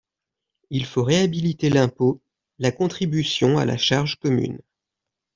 Il faut réhabiliter l’impôt, la contribution à la charge commune.